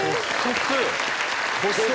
骨折！